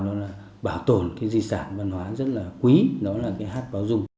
nó là bảo tồn cái di sản văn hóa rất là quý nó là cái hát báo dung